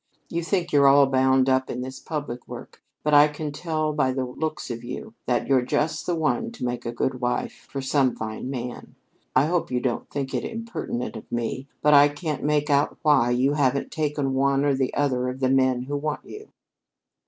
You think you're all bound up in this public work, but I can tell by the looks of you that you're just the one to make a good wife for some fine man. I hope you don't think it impertinent of me, but I can't make out why you haven't taken one or the other of the men who want you."